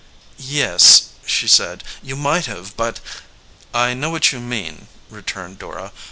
"Yes," she said, "you might have, but " "I know what you mean," returned Dora.